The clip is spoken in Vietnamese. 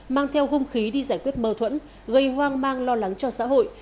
mang theo hung khí đi giải quyết mơ thuẫn gây hoang mang lo lắng cho xã hội